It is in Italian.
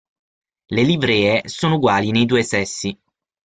Le livree sono uguali nei due sessi.